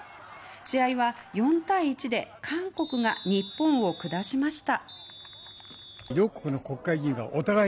試合は、４対１で韓国が日本を下しました。